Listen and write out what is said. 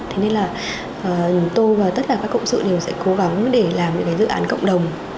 thế nên là tôi và tất cả các cộng sự đều sẽ cố gắng để làm những cái dự án cộng đồng